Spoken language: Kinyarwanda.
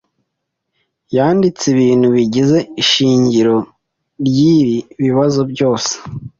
yanditse ibintu bigize ishingiro ryibi bibazo byose